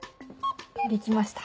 できました。